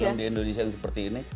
yang di indonesia yang seperti ini